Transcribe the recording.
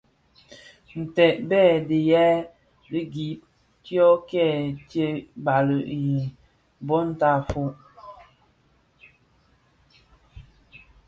Ntèbèn a dhiyaï di gib dio kè tsee bali i bon tafog.